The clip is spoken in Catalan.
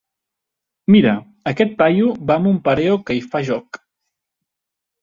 Mira, aquest paio va amb un pareo que hi fa joc.